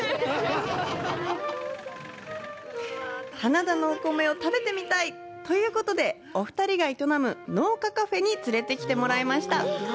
棚田のお米を食べてみたい！ということで、お二人が営む農家カフェに連れてきてもらいました。